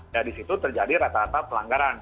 dan di situ terjadi rata rata pelanggaran